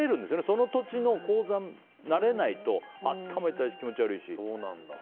その土地に慣れないと頭痛いし、気持ち悪いし。